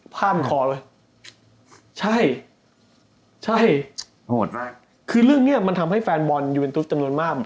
พร่ามคอเลยใช่ใช่โหดมากคือเรื่องเนี้ยมันทำให้แฟนจำนวนมาก